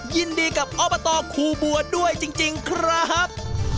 ยินดีกับอบตคูบัวด้วยจริงครับ